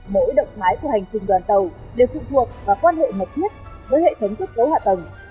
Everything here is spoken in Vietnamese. mỗi động máy của hành trình đoàn tàu đều phụ thuộc vào quan hệ mật thiết với hệ thống thức giấu hạ tầng